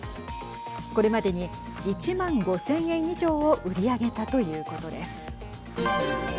これまでに１万５０００円以上を売り上げたということです。